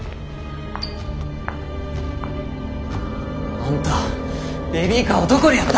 あんたベビーカーはどこにやった？